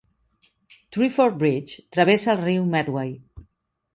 Twyford Bridge travessa el riu Medway.